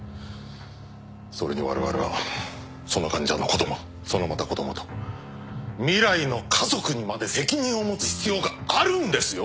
それにわれわれはその患者の子供そのまた子供と未来の家族にまで責任を持つ必要があるんですよ。